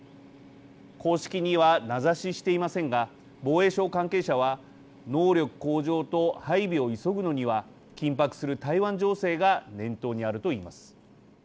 公式には名指ししていませんが防衛省関係者は能力向上と配備を急ぐのには緊迫する台湾情勢が念頭にあると言います。